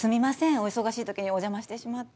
お忙しいときにお邪魔してしまって。